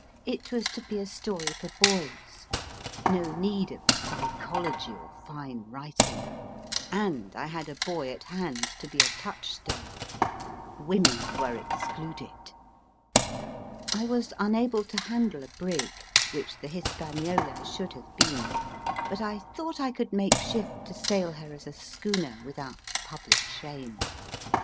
It was to be a story for boys ; no need of psychology or fine writing ; and I had a boy at 302 MY FIRST BOOK hand to be a touchstone. Women were excluded. I was unable to handle a brig (which the Hispaniola should have been), but I thought I could make shift to sail her as a schooner without public shame.